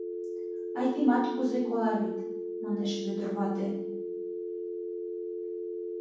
— Айдемат кузе кола вет, — манеш Вӧдыр вате.